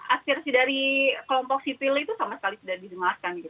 aspirasi dari kelompok sipil itu sama sekali sudah didengarkan gitu